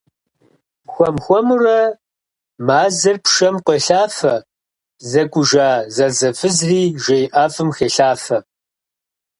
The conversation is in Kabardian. Хуэм хуэмурэ мазэр пшэм къуелъафэ, зэкӏужа зэлӏзэфызри жей ӏэфӏым хелъафэ.